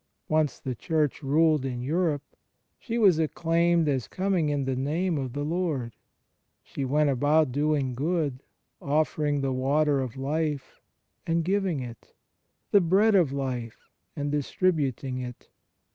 Once the Church ruled in Europe; she was acclaimed as '^ coming in the Name of the Lord." She went about doing good, offering the Water of Life, and giving it — the Bread of Life, and distributing it.